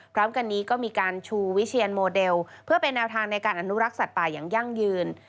พร้อมกันนี้ก็มีการชูวิเชียนโมเดลเพื่อเป็นแนวทางในการอนุรักษ์สัตว์ป่าอย่างยั่งยืน